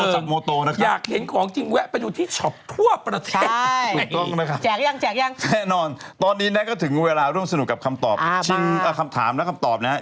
แจกต้องนะครับแน่นอนตอนนี้นะก็ถึงเวลาร่วมสนุกกับคำตอบคำถามและคำตอบนะครับ